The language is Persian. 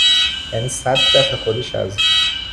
یعنی صد دفه خودش از